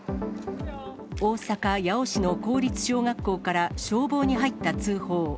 大阪・八尾市の公立小学校から消防に入った通報。